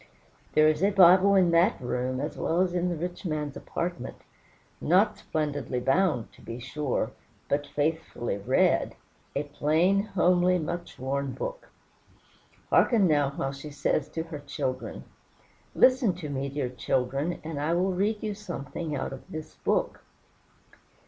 There is a Bible in that room, as well as in the rich man's apartment. Not splendidly bound, to be sure, but faithfully read a plain, homely, much worn book. Hearken now while she says to her children, "Listen to me, dear children, and I will read you something out of this book.